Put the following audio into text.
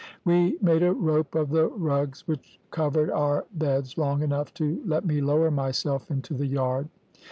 We made a rope of the rugs which covered our beds long enough to let me lower myself into the yard.